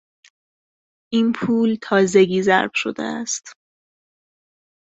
این پول تازگی ضرب شده است.